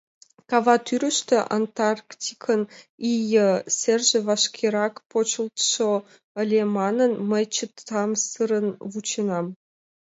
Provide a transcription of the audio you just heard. Каватӱрыштӧ Антарктикын ий серже вашкерак почылтшо ыле манын, мый чытамсырын вученам.